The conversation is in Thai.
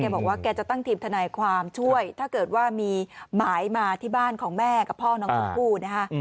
บอกว่าแกจะตั้งทีมทนายความช่วยถ้าเกิดว่ามีหมายมาที่บ้านของแม่กับพ่อน้องชมพู่นะคะ